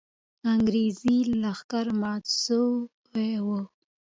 انګریزي لښکر مات سوی وو.